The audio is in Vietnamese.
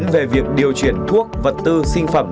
về việc điều chuyển thuốc vật tư sinh phẩm